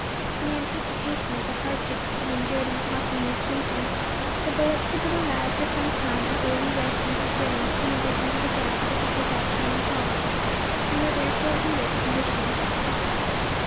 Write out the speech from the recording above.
In anticipation of the hardships to be endured in crossing this region, the bullocks had been allowed for some time a daily ration of grain in addition to the grass they could pick up during the halt, and were therefore in good condition.